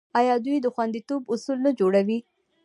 آیا دوی د خوندیتوب اصول نه جوړوي؟